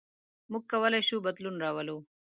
موږ کولی شو بدلون راولو.